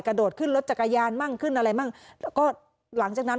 กระโดดขึ้นรถจักรยานมั่งขึ้นอะไรมั่งแล้วก็หลังจากนั้น